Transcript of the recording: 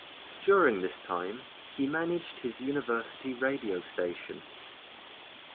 During this time, he managed his university radio station.